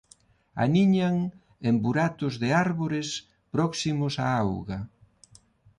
Aniñan en buratos de árbores próximos á auga.